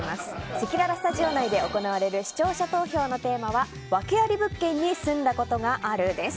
せきららスタジオ内で行われる視聴者投票のテーマはワケあり物件に住んだことがある？です。